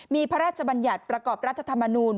มีพระราชบัญญัติประกอบรัฐธรรมนูล